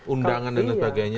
undangan dan sebagainya